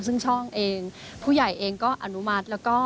ซึ่งช่องเองผู้ใหญ่เองก็อนุมัติแล้วก็